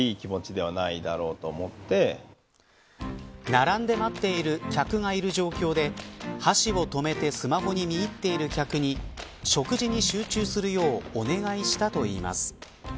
並んで待っている客がいる状況で箸を止めてスマホに見入っている客に食事に集中するようお願いしたといいます。